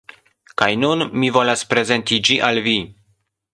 Kaj nun, mi volas prezenti ĝi al vi.